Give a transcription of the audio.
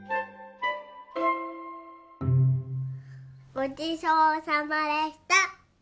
ごちそうさまでした。